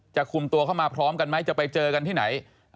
คุมตัวเข้ามาพร้อมกันไหมจะไปเจอกันที่ไหน